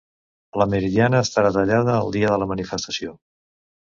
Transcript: La Meridiana estarà tallada el dia de la manifestació